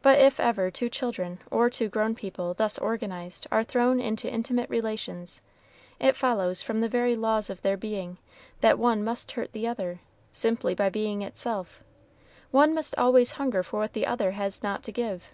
But if ever two children, or two grown people, thus organized, are thrown into intimate relations, it follows, from the very laws of their being, that one must hurt the other, simply by being itself; one must always hunger for what the other has not to give.